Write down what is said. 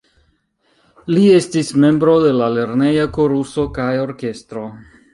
Li estis membro de la lerneja koruso kaj orkestro.